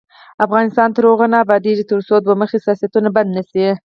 افغانستان تر هغو نه ابادیږي، ترڅو دوه مخي سیاستونه بند نشي.